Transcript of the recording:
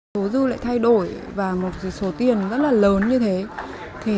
số dư lại thay đổi và một số tiền rất là lớn như thế